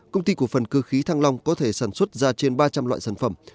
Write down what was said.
công ty cổ phần cơ khí thăng long có thể sản xuất ra trên ba trăm linh loại sản phẩm